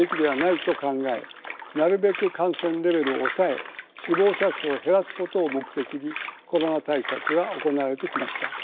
なるべく感染レベルを抑え死亡者数を減らすことを目的にコロナ対策が行われてきました。